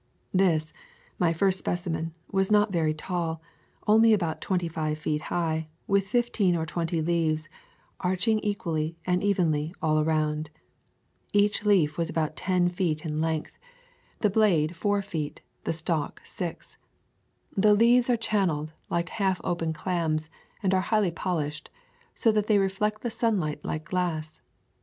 This, my first specimen, was not very tall, only about twenty five feet high, with fifteen or twenty leaves, arching equally and evenly all around. Each leaf was about ten feet in length, [ 92 ] Florida Swamps and Forests the blade four feet, the stalk six. The leaves are channeled like half open clams and are highly polished, so that they reflect the sunlight like glass.